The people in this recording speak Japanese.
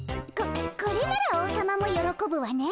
ここれなら王様もよろこぶわね。